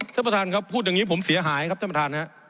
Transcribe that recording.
ท่านประธานครับพูดอย่างนี้ผมเสียหายครับท่านประธานครับ